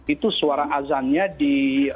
itu suara azannya di